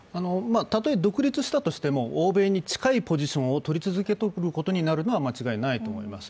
たとえ独立したとしても欧米に近いポジションを取り続けるのは変わりないと思います。